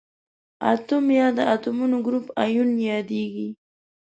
اتوم یا د اتومونو ګروپ ایون یادیږي.